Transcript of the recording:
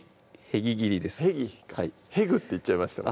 へぎ切りです「へぐ」って言っちゃいました